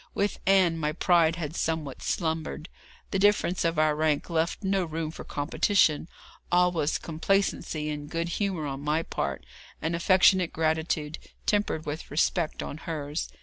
With Ann my pride had somewhat slumbered. The difference of our rank left no room for competition; all was complacency and good humour on my part, and affectionate gratitude, tempered with respect, on hers.